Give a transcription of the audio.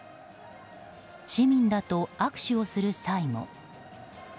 市民らと握手をする際も。